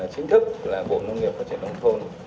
chính thức bộ nông nghiệp phát triển đồng thôn